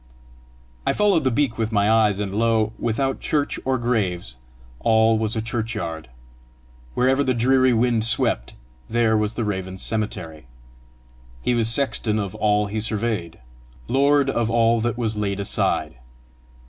I followed the beak with my eyes, and lo, without church or graves, all was a churchyard! Wherever the dreary wind swept, there was the raven's cemetery! He was sexton of all he surveyed! lord of all that was laid aside!